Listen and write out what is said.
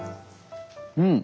うん。